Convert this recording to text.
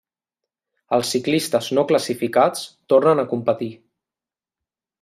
Els ciclistes no classificats tornen a competir.